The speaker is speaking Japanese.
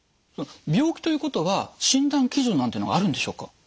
病気ということは診断基準なんてのがあるんでしょうか？